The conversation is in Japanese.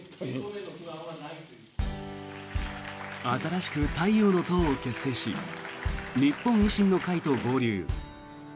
新しく太陽の党を結成し日本維新の会と合流。